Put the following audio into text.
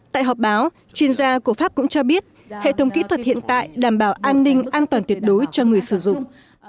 tại họp báo chuyên gia của pháp cũng cho biết hệ thống kỹ thuật hiện tại đảm bảo an ninh an toàn tuyệt đối cho người sử dụng